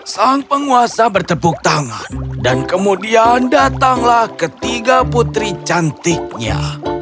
sang penguasa bertepuk tangan dan kemudian datanglah ketiga putri cantiknya